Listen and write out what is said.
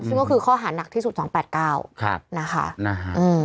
ซึ่งก็คือข้อหานักที่สุดสองแปดเก้าครับนะคะอืม